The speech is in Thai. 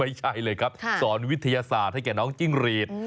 ไม่ใช่เลยครับสอนวิทยาศาสตร์ให้แก่น้องจิ้งรีด